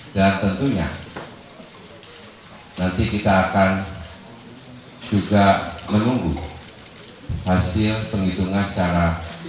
dan tentunya nanti kita akan juga menunggu hasil penghitungan secara